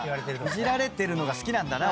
「いじられてるのが好きなんだな」